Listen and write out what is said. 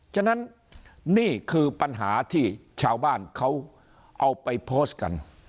ฉะนั้นนี่คือปัญหาที่ชาวบ้านเขาเอาไปโพสต์กัน